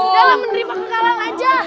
dahlah menerima ke kalang aja